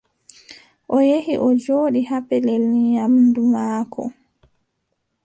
O yehi, o jooɗi haa pellel nyaamndu maako.